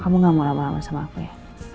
kamu gak mau lama lama sama aku ya